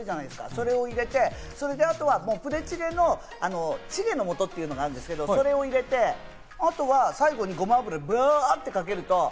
それを入れて、あとはプデチゲのチゲの素っていうのがあるんですけど、それを入れてあとは最後にごま油をバっとかけると。